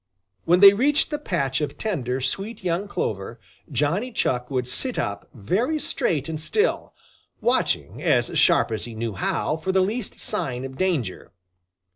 When they reached the patch of tender, sweet, young clover, Johnny Chuck would sit up very straight and still, watching as sharp as he knew how for the least sign of danger.